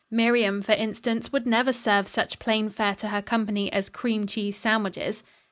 Miriam, for instance would never serve such plain fare to her company as cream cheese sandwiches."